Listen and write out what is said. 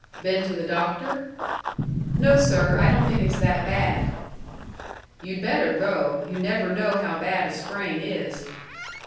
"Been to the doctor?" "No, sir. I don't think it's that bad." "You'd better go. You never know how bad a sprain is."